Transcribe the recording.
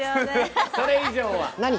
それ以上は。